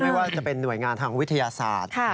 ไม่ว่าจะเป็นหน่วยงานทางวิทยาศาสตร์